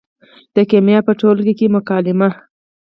د کیمیا په ټولګي کې مکالمه